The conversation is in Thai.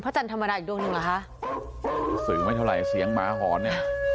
จันทร์ธรรมดาอีกดวงหนึ่งเหรอคะสื่อไม่เท่าไหร่เสียงหมาหอนเนี่ย